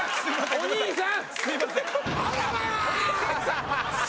お兄さん！